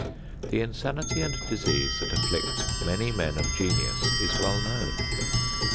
The insanity and disease that afflict many men of genius is well known.